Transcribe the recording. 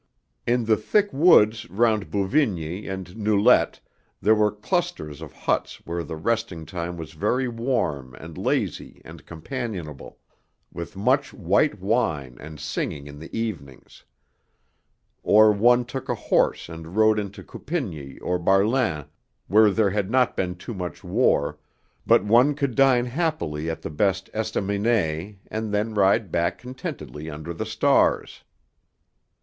In the thick woods round Bouvigny and Noulette there were clusters of huts where the resting time was very warm and lazy and companionable, with much white wine and singing in the evenings. Or one took a horse and rode into Coupigny or Barlin where there had not been too much war, but one could dine happily at the best estaminet, and then ride back contentedly under the stars.